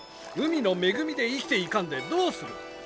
海の恵みで生きていかんでどうする！